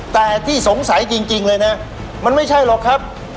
แต่ที่สงสัยจริงเลยนะมันไม่ใช่หรอกครับ